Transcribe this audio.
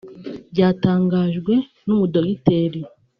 (byatangajwe n’umudogiteri